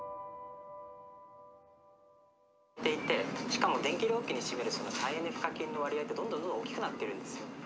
「しかも電気料金の占めるその再エネ賦課金の割合ってどんどんどんどん大きくなってるんですよ」。